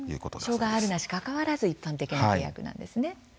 障害あるなしかかわらず一般的な契約なんですね。